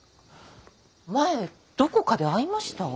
前どこかで会いました？